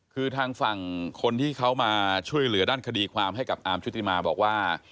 คือทางฝั่งคนที่เขามาช่วยเหลือด้านคดีความให้กับอาร์มชุติมาบอกว่า